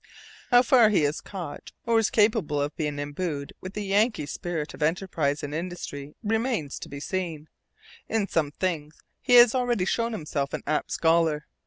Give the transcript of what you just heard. How far he has caught or is capable of being imbued with the Yankee spirit of enterprise and industry, remains to be seen. In some things he has already shown himself an apt scholar.